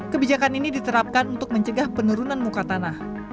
kebijakan ini diterapkan untuk mencegah penurunan muka tanah